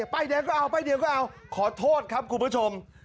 ป้ายแดงก็เอาขอโทษครับคุณผู้ชม